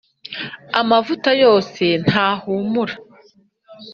Amavuta yose ntahumura.